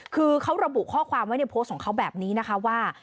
คือเขาระบุข้อความไว้ในโพสต์ของเขาแบบนี้นะคะว่า